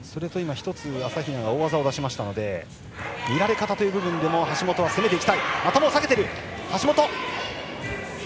１つ、朝比奈が大技を出しましたので見られ方という部分でも橋本は攻めたい。